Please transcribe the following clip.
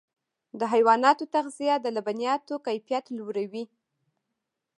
د حیواناتو تغذیه د لبنیاتو کیفیت لوړوي.